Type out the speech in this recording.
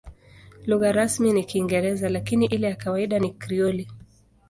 Lugha rasmi ni Kiingereza, lakini ile ya kawaida ni Krioli.